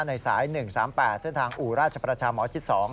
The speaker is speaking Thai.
ในสาย๑๓๘เส้นทางอู่ราชประชาหมอชิด๒